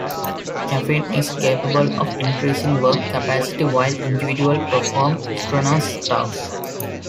Caffeine is capable of increasing work capacity while individuals perform strenuous tasks.